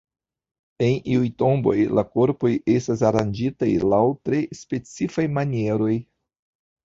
En iuj tomboj la korpoj estas aranĝitaj laŭ tre specifaj manieroj.